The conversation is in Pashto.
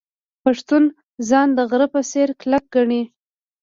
پښتون ځان د غره په څیر کلک ګڼي.